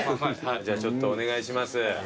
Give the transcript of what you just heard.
じゃあちょっとお願いします。